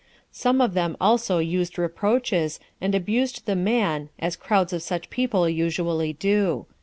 Some of them also used reproaches, and abused the man, as crowds of such people usually do.